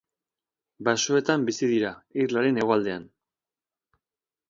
Basoetan bizi dira irlaren hegoaldean.